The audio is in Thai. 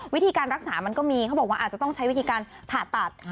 วิธีการรักษามันก็มีเขาบอกว่าอาจจะต้องใช้วิธีการผ่าตัด